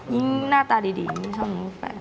ยิ่งหน้าตาดีดีไม่ชอบลงรูปแฟน